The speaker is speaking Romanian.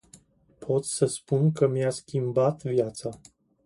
Pot să spun că mi-a schimbat viața.